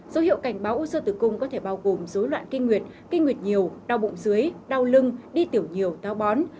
dấu hiệu cảnh báo u sơ tử cung có thể bao gồm dối loạn kinh nguyệt kinh nguyệt nhiều đau bụng dưới đau lưng đi tiểu nhiều táo bón